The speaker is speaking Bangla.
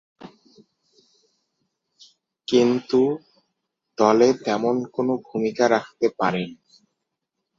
কিন্তু, দলে তেমন কোন ভূমিকা রাখতে পারেননি।